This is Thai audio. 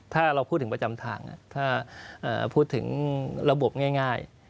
ถ้าเราพูดถึงประจำทางถ้าพูดถึงระบบง่าย